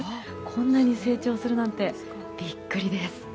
こんなに成長するなんてビックリです。